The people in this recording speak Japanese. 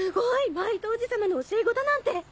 マイトおじ様の教え子だなんて。